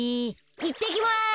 いってきます。